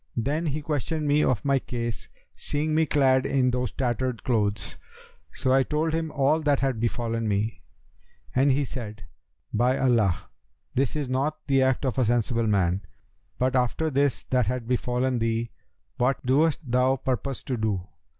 Then he questioned me of my case, seeing me clad in those tattered clothes; so I told him all that had befallen me, and he said, 'By Allah, this is not the act of a sensible man! But after this that hath befallen thee what dost thou purpose to do?'